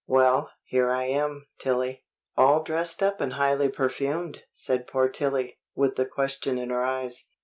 "Well, here I am, Tillie." "All dressed up and highly perfumed!" said poor Tillie, with the question in her eyes.